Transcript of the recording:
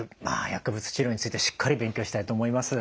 薬物治療についてしっかり勉強したいと思います。